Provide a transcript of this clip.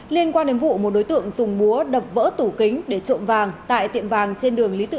liên quan đến vụ một đối tượng dùng búa đập vỡ tủ kính để trộm vàng tại tiệm vàng trên đường lý tự